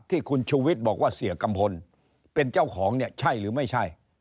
ที่คุณชูวิทย์บอกว่าเสียกัมพลเป็นเจ้าของเนี่ยใช่หรือไม่ใช่